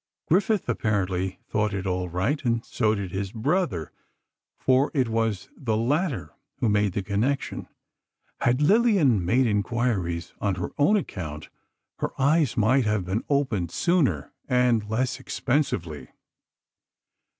Griffith, apparently, thought it all right, and so did his brother, for it was the latter who made the connection. Had Lillian made inquiries on her own account, her eyes might have been opened sooner, and less expensively.